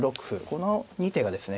この２手がですね